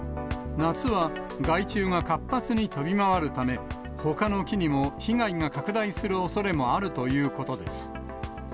夏は害虫が活発に飛び回るため、ほかの木にも被害が拡大するおそれもあるということです。